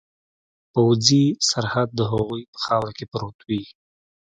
پوځي سرحد د هغوی په خاوره کې پروت وي.